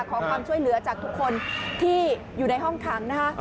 ขอความช่วยเหลือจากทุกคนที่อยู่ในห้องขังนะคะ